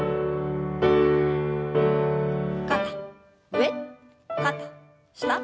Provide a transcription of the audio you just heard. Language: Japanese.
肩上肩下。